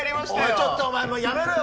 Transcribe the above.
ちょっともうやめろよ！